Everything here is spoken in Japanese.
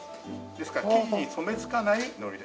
ですから生地に染めつかないのり。